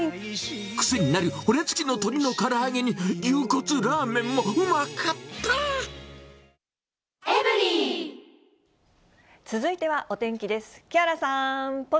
癖になる骨付きの鶏のから揚続いてはお天気です。